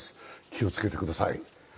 気をつけてください。